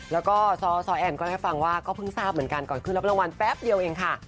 แล้วก็ซ้อแอนก็ให้ฟังว่าก็เพิ่งทราบเหมือนกันก่อนขึ้นรับรางวัลแป๊บเดียวเองค่ะ